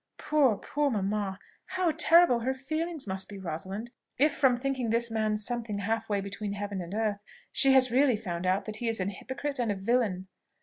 Poor, poor mamma! How terrible her feelings must be, Rosalind, if from thinking this man something half way between heaven and earth, she has really found out that he is an hypocrite and a villain!"